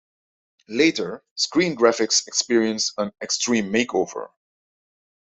Later, screen graphics experienced an extreme makeover.